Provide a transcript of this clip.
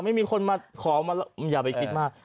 ไม่มีคนมาขอมาอย่าไปคิดมาก